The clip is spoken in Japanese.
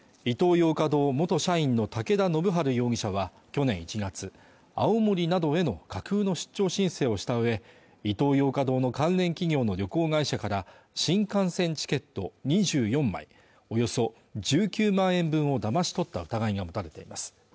ヨーカドー元社員の武田信晴容疑者は去年１月青森などへの架空の出張申請をしたうえイトーヨーカ堂の関連企業の旅行会社から新幹線チケット２４枚およそ１９万円分をだまし取った疑いが持たれています